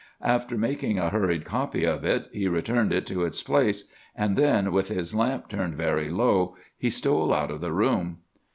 After making a hurried copy of it, he returned it to its place; and then, with his lamp turned very low, he stole out of the room.